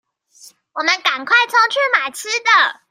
我們趕快衝去買吃的